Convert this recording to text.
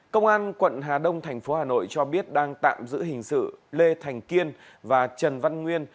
công an quận hà đông thành phố hà nội cho biết đang tạm giữ hình sự lê thành kiên và trần văn nguyên